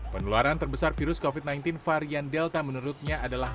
penularan terbesar virus covid sembilan belas varian delta menurutnya adalah